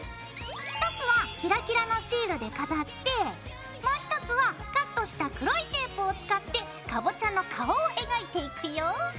１つはキラキラのシールで飾ってもう１つはカットした黒いテープを使ってかぼちゃの顔を描いていくよ。